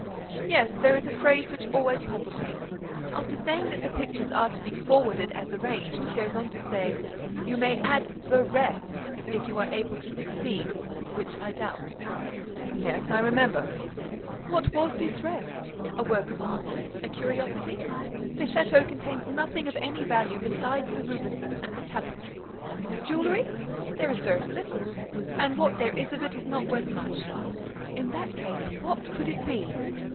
"Yes. There is a phrase which always puzzled me. After saying that the pictures are to be forwarded as arranged, he goes on to say, 'You may add the rest, if you are able to succeed, which I doubt.'" "Yes, I remember." "What was this 'rest'? A work of art, a curiosity? The château contains nothing of any value besides the Rubenses and the tapestries. Jewelry? There is very little and what there is of it is not worth much. In that case, what could it be?